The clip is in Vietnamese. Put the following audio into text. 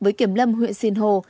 với kiểm lâm huyện xìn hồ